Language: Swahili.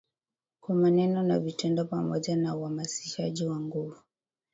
Kwa maneno na vitendo, pamoja na uhamasishaji wa nguvu.